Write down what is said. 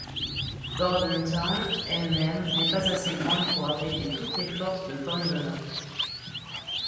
Bordentown, elle-même n'est pas assez grande pour abriter toutes les forces de von Donop.